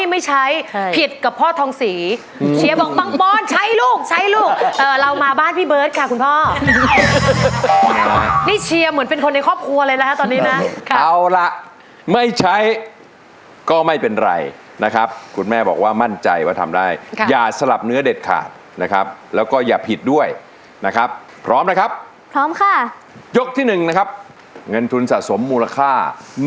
ไม่ใช่ผิดกับพ่อทองศรีเชียร์บอกบางบอลใช้ลูกใช้ลูกเอ่อเรามาบ้านพี่เบิร์ตค่ะคุณพ่อนี่เชียร์เหมือนเป็นคนในครอบครัวเลยแล้วฮะตอนนี้นะค่ะเอาล่ะไม่ใช้ก็ไม่เป็นไรนะครับคุณแม่บอกว่ามั่นใจว่าทำได้ค่ะอย่าสลับเนื้อเด็ดขาดนะครับแล้วก็อย่าผิดด้วยนะครับพร้อมนะครับพร้อมค่ะ